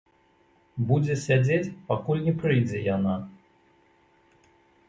Будзе сядзець, пакуль не прыйдзе яна.